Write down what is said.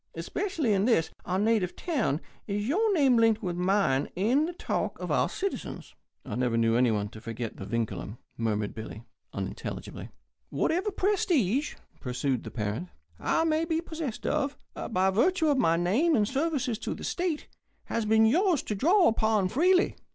Especially in this, our native town, is your name linked with mine in the talk of our citizens." "I never knew anyone to forget the vindculum," murmured Billy, unintelligibly. "Whatever prestige," pursued the parent, "I may be possessed of, by virtue of my name and services to the state, has been yours to draw upon freely.